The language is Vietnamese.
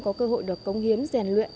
có cơ hội được công hiến rèn luyện